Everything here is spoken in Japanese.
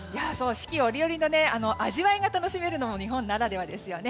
四季折々の味わいが楽しめるのも日本ならではですよね。